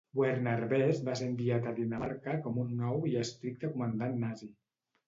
Werner Best va ser enviat a Dinamarca com un nou i estricte comandant nazi.